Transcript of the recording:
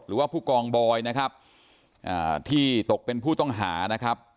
หรือว่าผู้กองบอยนะครับอ่าที่ตกเป็นผู้ต้องหานะครับ